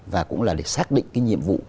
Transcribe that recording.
và cũng là để xác định cái nhiệm vụ